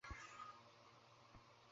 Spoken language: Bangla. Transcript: ভিন্ন ভিন্ন শক্তি লইয়া আমরা জগতে আসিয়াছি।